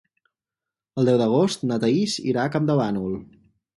El deu d'agost na Thaís irà a Campdevànol.